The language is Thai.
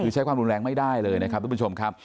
คือใช้ความรุนแรงไม่ได้เลยนะครับทุกผู้ชมครับ